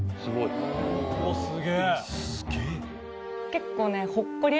結構ね。